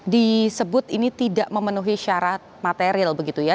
disebut ini tidak memenuhi syarat material begitu ya